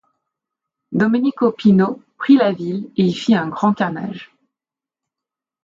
Domenico Pino prit la ville et y fit un grand carnage.